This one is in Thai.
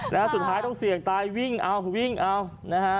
นะฮะสุดท้ายต้องเสี่ยงตายวิ่งเอาวิ่งเอานะฮะ